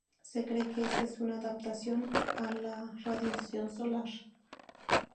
Se cree que esta es una adaptación a la radiación solar.